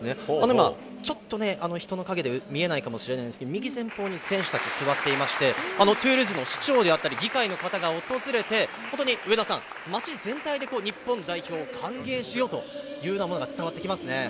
今、ちょっとね、人の陰で見えないかもしれないんですけど、右前方に選手たち、座っていまして、トゥールーズの市長であったり、議会の方が訪れて、本当に上田さん、街全体で日本代表を歓迎しようというようなどう？